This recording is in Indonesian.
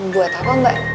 buat apa mbak